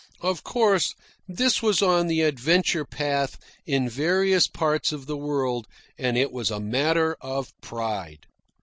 Of course, this was on the adventure path in various parts of the world, and it was a matter of pride.